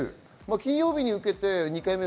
金曜日に受けて２回目を。